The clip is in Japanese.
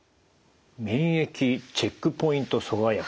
免疫チェックポイント阻害薬